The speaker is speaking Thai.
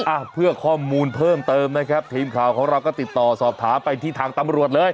อ่ะเพื่อข้อมูลเพิ่มเติมนะครับทีมข่าวของเราก็ติดต่อสอบถามไปที่ทางตำรวจเลย